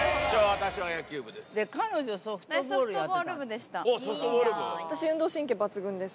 私、運動神経抜群です。